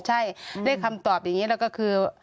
ใช่ได้คำตอบอย่างนี้แล้วก็คือ